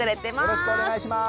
よろしくお願いします。